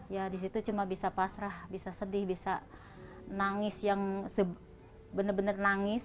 ya di situ cuma bisa pasrah bisa sedih bisa nangis yang benar benar nangis